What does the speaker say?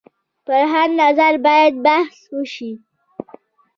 پر هر نظر باید بحث وشي.